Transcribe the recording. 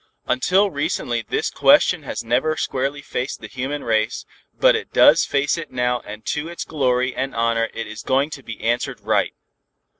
"Until recently this question has never squarely faced the human race, but it does face it now and to its glory and honor it is going to be answered right.